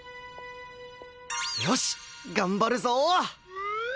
よし頑張るぞ！